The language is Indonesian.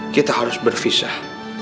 kita harus berpisah